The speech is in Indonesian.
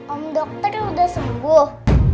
om dokter udah sembuh